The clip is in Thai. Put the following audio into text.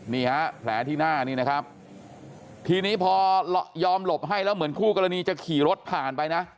นี่ฮะแผลที่หน้านี่นะครับทีนี้พอยอมหลบให้แล้วเหมือนคู่กรณีจะขี่รถผ่านไปนะ